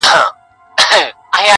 دا د مشکو رباتونه خُتن زما دی٫